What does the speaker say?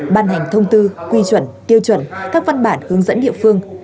ban hành thông tư quy chuẩn tiêu chuẩn các văn bản hướng dẫn địa phương